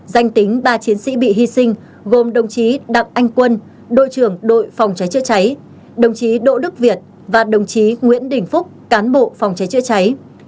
danh tính ba chiến sĩ bị hy sinh gồm đồng chí đặng anh quân đội trưởng đội phòng cháy chữa cháy đồng chí đỗ đức việt và đồng chí nguyễn đình phúc cán bộ phòng cháy chữa cháy